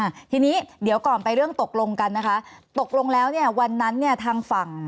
อ่าทีนี้เดี๋ยวก่อนไปเรื่องตกลงกันนะคะตกลงแล้วเนี่ยวันนั้นเนี่ยทางฝั่ง